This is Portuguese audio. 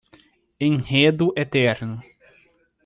Enredo eterno